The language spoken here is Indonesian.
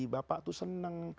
bapak itu senang